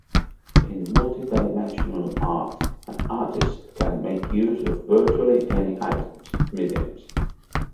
In multidimensional art an artist can make use of virtually any items (mediums).